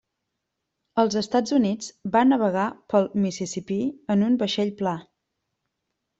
Als Estats Units, va navegar pel Mississipí en un vaixell pla.